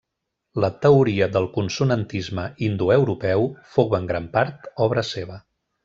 La teoria del consonantisme indoeuropeu fou en gran part obra seva.